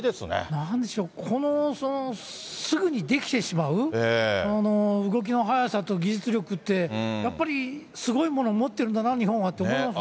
なんでしょう、すぐにできてしまう動きの速さと技術力って、やっぱりすごいもの持ってるんだ、日本はと思いますね。